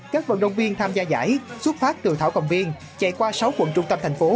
các vận động viên tham gia giải xuất phát từ thảo cầm viên chạy qua sáu quận trung tâm thành phố